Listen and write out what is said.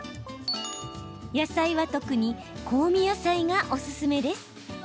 野菜は特に香味野菜がおすすめです。